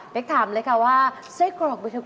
เบเก่งถามเลยค่ะว่าเส้นกรอกเบเท้าโก้